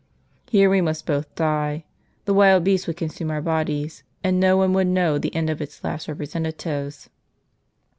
Here we must both die ; the wild beasts would consume our bodies, and no one would know the end of its last representatives.